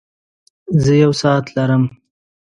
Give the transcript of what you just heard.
زۀ يو ساعت لرم.